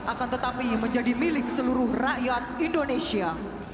akan tetapi menjadi milik seluruh rakyat indonesia